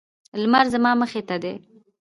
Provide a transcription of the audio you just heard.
لمر زما مخې ته دی